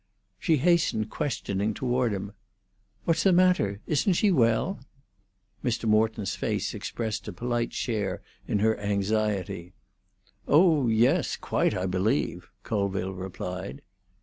She hastened questioning toward him. "What is the matter? Isn't she well?" Mr. Morton's face expressed a polite share in her anxiety. "Oh yes; quite, I believe," Colville replied.